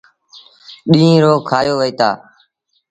ڏيٚݩهݩ رو کآيو وهيٚتآ۔